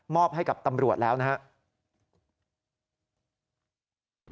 ให้กับตำรวจแล้วนะครับ